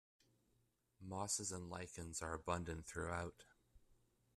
Mosses and lichens are abundant throughout.